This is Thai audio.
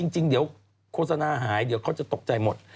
จริงเดี๋ยวโฆษณาหายเดี๋ยวเขาจะตกใจหมด